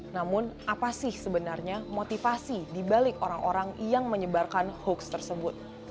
namun apa sih sebenarnya motivasi dibalik orang orang yang menyebarkan hoax tersebut